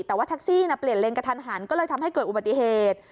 แต่ว่าแท็กซี่เปลี่ยนเลนกระทันหันก็เลยทำให้เกิดอุบัติเหตุ